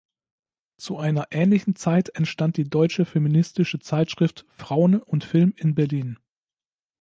Zu einer ähnlichen Zeit entstand die deutsche feministische Zeitschrift Frauen und Film in Berlin.